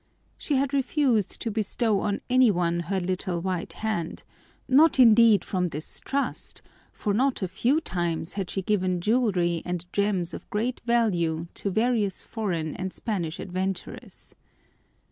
She had refused to bestow on any one her little white hand, not indeed from distrust, for not a few times had she given jewelry and gems of great value to various foreign and Spanish adventurers.